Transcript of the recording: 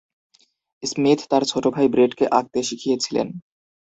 Smith তার ছোট ভাই ব্রেটকে আঁকতে শিখিয়েছিলেন।